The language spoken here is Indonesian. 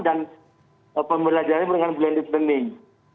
dan pembelajarannya dengan bulan di pening